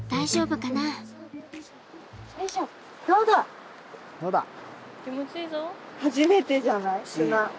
どうだ。